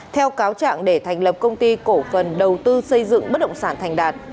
theo cáo trạng để thành lập công ty cổ phần đầu tư xây dựng bất động sản thành đạt